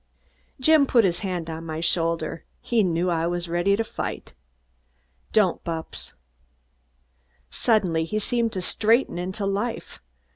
Jim put his hand on my shoulder. He knew I was ready to fight. "Don't, Bupps!" Suddenly he seemed to straighten into life.